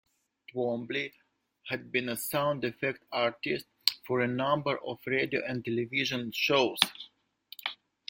Twombly had been a sound-effects artist for a number of radio and television shows.